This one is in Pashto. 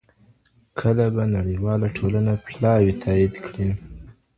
کله به نړیواله ټولنه پلاوی تایید کړي؟